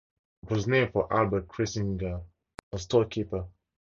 It was named for Albert Kriesinger, a storekeeper.